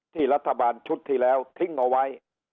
ที่รัฐบาลชุดที่แล้วทิ้งเอาไว้